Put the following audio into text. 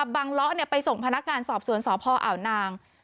บังเลาะไปส่งพนักการสอบสวนสภออาวนาง